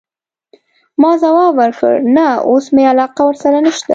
ما ځواب ورکړ: نه، اوس مي علاقه ورسره نشته.